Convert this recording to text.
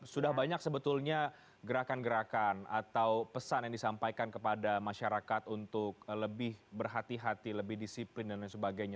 sudah banyak sebetulnya gerakan gerakan atau pesan yang disampaikan kepada masyarakat untuk lebih berhati hati lebih disiplin dan lain sebagainya